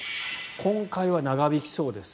今回は長引きそうです。